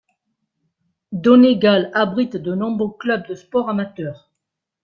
Donegal abrite de nombreux clubs de sport amateur.